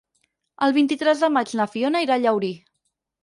El vint-i-tres de maig na Fiona irà a Llaurí.